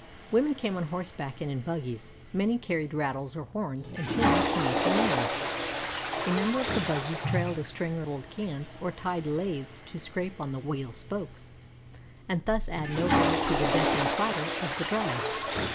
Women came on horseback and in buggies; many carried rattles or horns and tins to make a noise. A number of the buggies trailed a string of old cans or tied laths to scrape on the wheel spokes, and thus add no little to the deafening clatter of the drive.